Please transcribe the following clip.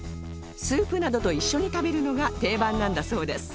スープなどと一緒に食べるのが定番なんだそうです